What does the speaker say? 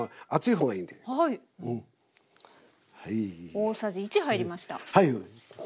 大さじ１入りました。